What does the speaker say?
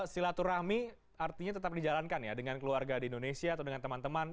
silaturahmi artinya tetap dijalankan ya dengan keluarga di indonesia atau dengan teman teman